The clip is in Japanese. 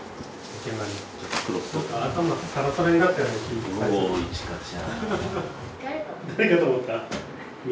いちかちゃん。